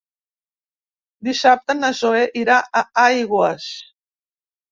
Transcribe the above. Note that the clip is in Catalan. Dissabte na Zoè irà a Aigües.